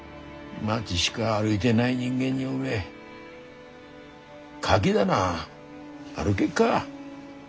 町しか歩いでない人間におめえカキ棚歩げっか。